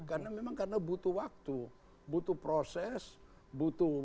karena memang karena butuh waktu butuh proses butuh